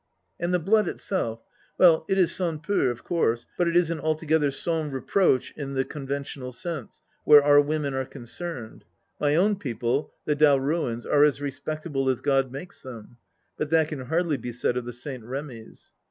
And the blood itself — well, it is sans peur of course, but it isn't altogether sans reproche in the conventional sense, where our women are concerned. My own people, the Dalruans, are as respectable as Gk)d makes them, but that can hardly be said of the St. Remys.